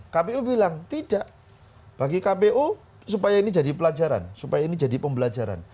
kpu bilang tidak bagi kpu supaya ini jadi pelajaran supaya ini jadi pembelajaran